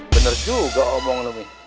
bener juga omong omongin